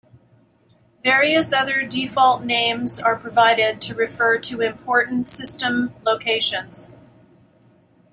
Various other default names are provided to refer to important system locations.